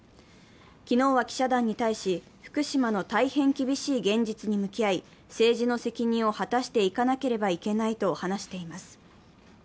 昨日は記者団に対し、福島の大変厳しい現実に向き合い、政治の責任を果たしていかなければいけないと話しています。